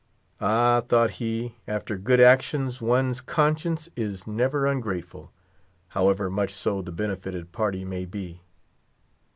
Ah, thought he, after good actions one's conscience is never ungrateful, however much so the benefited party may be.